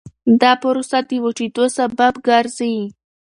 دا پروسه د وچېدو سبب ګرځي.